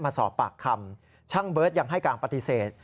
มาสอบปากคำช่างเบิร์ตยังให้การปฏิเสธ